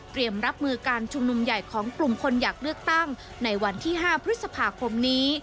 รับมือการชุมนุมใหญ่ของกลุ่มคนอยากเลือกตั้งในวันที่๕พฤษภาคมนี้